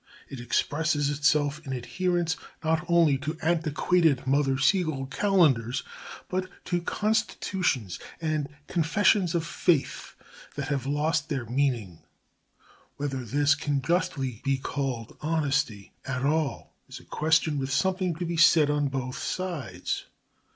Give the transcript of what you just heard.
It expresses itself in adherence not only to antiquated Mother Seigel calendars but to constitutions and confessions of faith that have lost their meaning. Whether this can justly be called honesty at all is a question with something to be said on both sides.